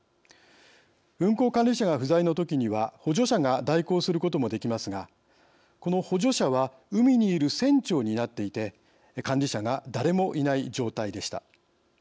運航管理者が不在のときには補助者が代行することもできますがこの補助者は海にいる船長になっていて管理者が誰もいない状態でした。